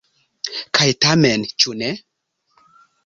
Kaj tamen, ĉu ne?